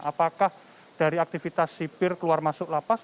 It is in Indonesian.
apakah dari aktivitas sipir keluar masuk lapas